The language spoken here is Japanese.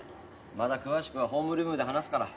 また詳しくはホームルームで話すから